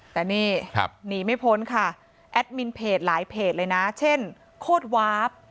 แต่นี่หนีไม่พ้นค่ะแอดมินเพจหลายเพจเลยนะเช่นโคตรวาฟ